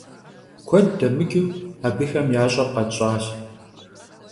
Kued demıç'ıu abıxem yaş'er khetş'aş.